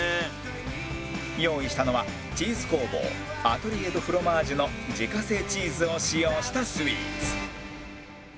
用意したのはチーズ工房アトリエ・ド・フロマージュの自家製チーズを使用したスイーツ